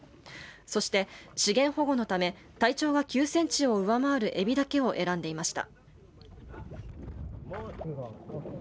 そして、資源保護のため体長が９センチを上回るエビだけを選んでいました。